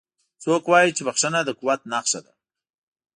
څوک وایي چې بښنه د قوت نښه ده